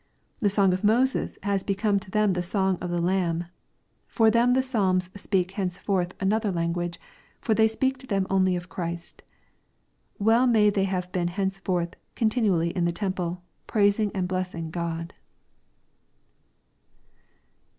The song of Moses has become to them the song of the Lamb. For them the Psalms speak henceforth anoth(,T language, for they speak to them only of Christ. Well may they have been henceforth * continu ally in the temple, praising and blessing God.'